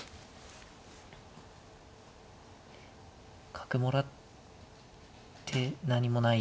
角もらって何もない。